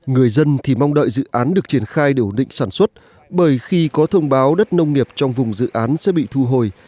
người dân thì mong đợi dự án được triển khai để ổn định sản xuất bởi khi có thông báo đất nông nghiệp trong vùng dự án sẽ bị thu hồi